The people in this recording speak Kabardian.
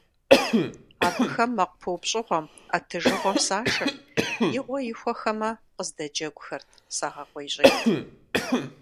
Абыхэм мэкъу пыупщӀыгъуэм, Ӏэтыжыгъуэм сашэрт, игъуэ ихуэхэмэ, кыздэджэгухэрт, сагъэкъуейщӀейт.